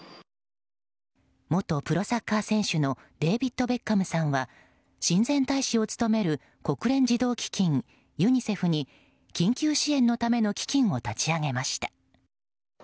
元プロサッカー選手のデービッド・ベッカムさんは親善大使を務める国連児童基金ユニセフに緊急支援のための基金を立ち上げました。